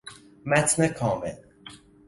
متن کامل